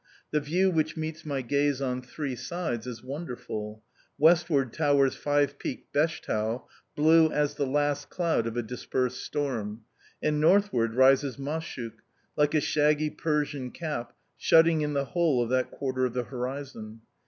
The view which meets my gaze on three sides is wonderful: westward towers five peaked Beshtau, blue as "the last cloud of a dispersed storm," and northward rises Mashuk, like a shaggy Persian cap, shutting in the whole of that quarter of the horizon.